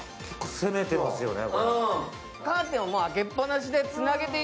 攻めてますよね。